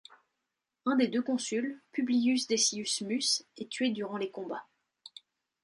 Un des deux consuls, Publius Decius Mus, est tué durant les combats.